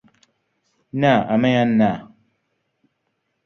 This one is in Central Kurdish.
نا، ئەمەیان نا!